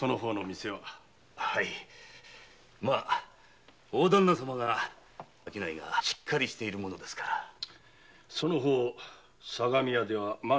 はい大旦那様の商いがシッカリしているものですからその方相模屋では満足して？